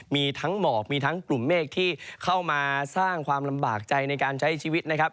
มีทั้งหมอกมีทั้งกลุ่มเมฆที่เข้ามาสร้างความลำบากใจในการใช้ชีวิตนะครับ